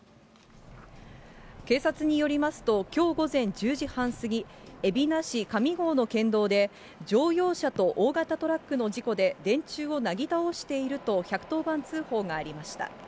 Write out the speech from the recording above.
警察によりますと、きょう午前１０時半過ぎ、海老名市かみごうの県道で、乗用車と大型トラックの事故で、電柱をなぎ倒していると１１０番通報がありました。